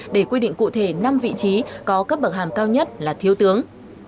để quy định cụ thể năm vị trí có cấp bậc hàm cao nhất là thiếu tướng